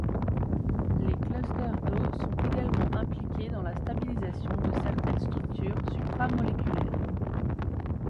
Les clusters d'eau sont également impliqués dans la stabilisation de certaines structures supramoléculaires.